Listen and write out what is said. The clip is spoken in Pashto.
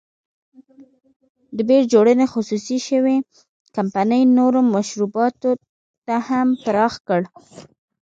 د بیر جوړونې خصوصي شوې کمپنۍ نورو مشروباتو ته هم پراخ کړ.